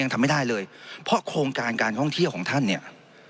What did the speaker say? ทำไม่ได้เลยเพราะโครงการการท่องเที่ยวของท่านเนี่ย